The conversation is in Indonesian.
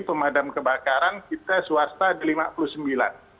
pemadam kebakaran kita swasta di lima puluh sembilan